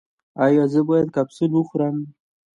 ایا زه باید کپسول وخورم؟